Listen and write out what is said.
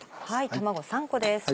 卵３個です。